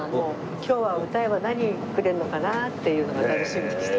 今日は歌えば何くれるのかな？っていうのが楽しみでした。